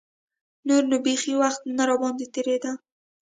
نور نو بيخي وخت نه راباندې تېرېده.